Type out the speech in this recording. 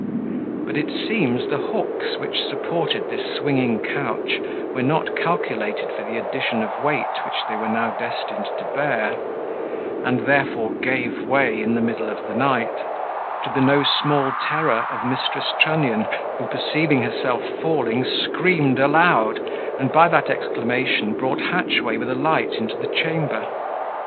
But it seems the hooks that supported this swinging couch were not calculated for the addition of weight which they were now destined to bear; and therefore gave way in the middle of the night, to the no small terror of Mrs. Trunnion, who perceiving herself falling, screamed aloud, and by that exclamation brought Hatchway with a light into the chamber.